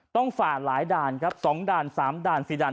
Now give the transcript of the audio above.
ฝ่าหลายด่านครับ๒ด่าน๓ด่าน๔ด่าน